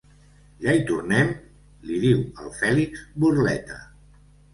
Ja hi tornem? —li diu el Fèlix, burleta.